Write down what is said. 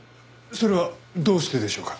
それはどうしてでしょうか？